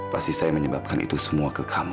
pasti saya menyebabkan itu semua ke kamu